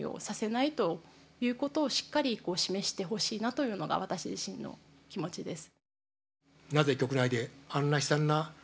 というのが私自身の気持ちです。